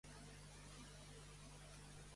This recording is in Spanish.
What's the Time Mr.